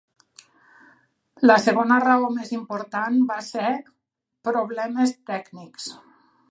La segona raó més important va ser problemes tècnics.